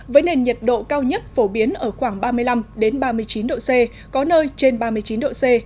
với nền nhiệt độ cao nhất phổ biến ở khoảng ba mươi năm ba mươi chín độ c có nơi trên ba mươi chín độ c